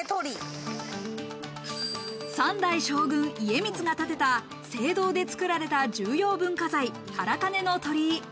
三代将軍・家光が建てた青銅で造られた重要文化財・唐銅鳥居。